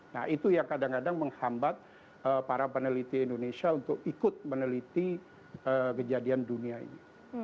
nah itu yang kadang kadang menghambat para peneliti indonesia untuk ikut meneliti kejadian dunia ini